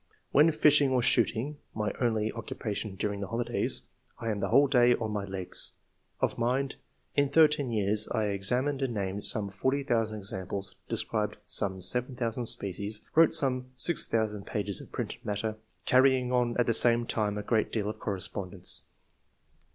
When fishing or shooting (my only occu pation during the holidays) I am the whole day on my legs. Of mind — In thirteen years I examined and named some 40,000 examples, de scribed about 7,000 species, wrote some 6,000 pages of printed matter, carrying on at the same time a great deal of correspondence.